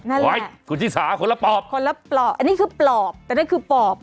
นั่นแหละคุณศิษฐาคนละปอบคนละปอบอันนี้คือปอบแต่นั่นคือปอบ